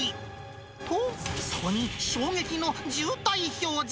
と、そこに衝撃の渋滞表示。